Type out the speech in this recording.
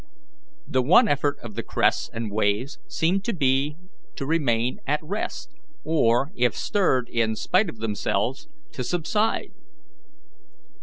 The one effort of the crests and waves seemed to be to remain at rest, or, if stirred in spite of themselves, to subside.